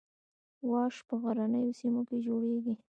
واش په غرنیو سیمو کې جوړیږي